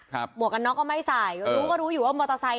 หมวกกันน็อกก็ไม่ใส่รู้ก็รู้อยู่ว่ามอเตอร์ไซค